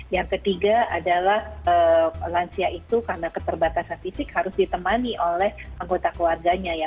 yang ketiga adalah lansia itu karena keterbatasan fisik harus ditemani oleh anggota keluarganya ya